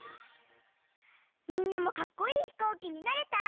みんなもかっこいいひこうきになれた？